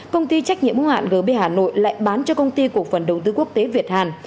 công ty trách nhiệm hữu hạn gb hà nội lại bán cho công ty cổ phần đầu tư quốc tế việt hàn